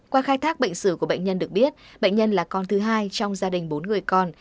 qua khai thác bệnh sử của bệnh nhân được biết bệnh nhân là con thứ hai trong gia đình bốn người còn